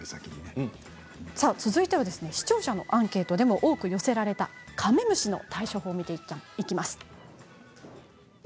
続いては視聴者のアンケートでも多く寄せられたカメムシの対処法を見ていきます。